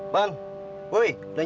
jangan di mysterio